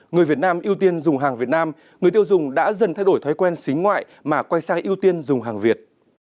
người việt nam ưu tiên dùng hàng việt nam người tiêu dùng đã dần thay đổi thói quen xính ngoại mà quay sang ưu tiên dùng hàng việt